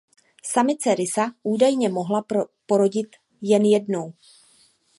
Samice rysa údajně mohla porodit jen jednou.